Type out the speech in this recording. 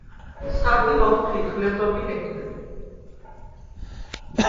სადილ ოხჴიდხ – ლეზობ ი ლეთრე.